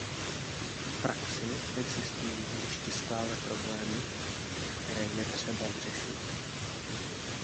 V praxi existují ještě stále problémy, které je třeba vyřešit.